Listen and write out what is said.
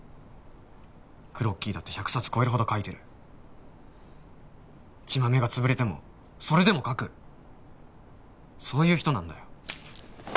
クロッキーだって１００冊超えるほど描いてる血豆がつぶれてもそれでも描くそういう人なんだよ